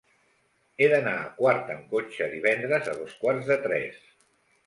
He d'anar a Quart amb cotxe divendres a dos quarts de tres.